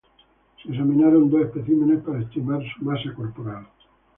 Se examinaron dos especímenes para estimar su masa corporal.